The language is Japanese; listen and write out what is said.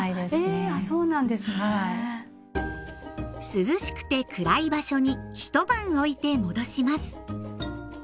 涼しくて暗い場所にひと晩おいて戻します。